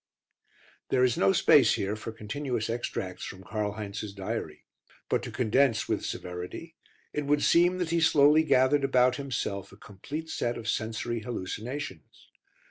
There is no space here for continuous extracts from Karl Heinz's diary. But to condense with severity, it would seem that he slowly gathered about himself a complete set of sensory hallucinations.